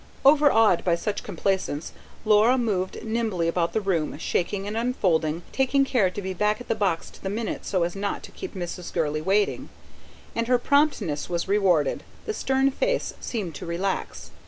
Overawed by such complaisance, Laura moved nimbly about the room shaking and unfolding, taking care to be back at the box to the minute so as not to keep Mrs. Gurley waiting. And her promptness was rewarded; the stern face seemed to relax.